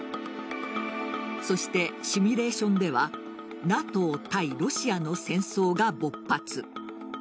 そしてシミュレーションではＮＡＴＯ対ロシアの戦争が勃発。